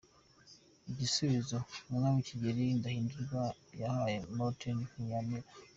Igisubizo Umwami Kigeli Ndahindurwa yahaye Martin Ntiyamira